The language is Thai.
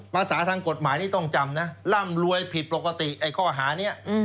ภาษาทางกฎหมายนี้ต้องจำนะเพราะร่ำรวยผิดปกติค้าหาฯนี้